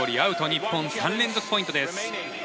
日本、３連続ポイントです。